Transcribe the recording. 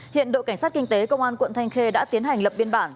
hiện đội cảnh sát kinh tế công an quận thanh khê đã tiến hành lập biên bản